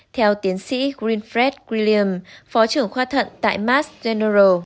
theo tiến sĩ greenfred william phó trưởng khoa thận tại mass general